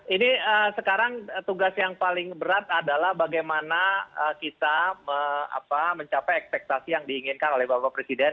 ini sekarang tugas yang paling berat adalah bagaimana kita mencapai ekspektasi yang diinginkan oleh bapak presiden